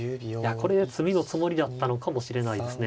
これで詰みのつもりだったのかもしれないですね。